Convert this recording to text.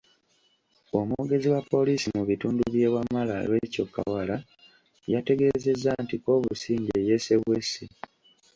Omwogezi wa poliisi mu bitundu by’e Wamala Recheal Kawala, yategeezezza nti Kobusingye yesse bwessi.